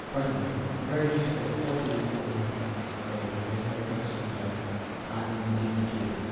Presently, a very beautiful, haughty looking young lady made her appearance in the Close, and in the dean's pew.